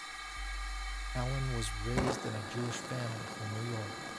Ellin was raised in a Jewish family from New York.